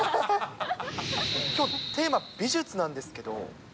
きょう、テーマ美術なんですけど。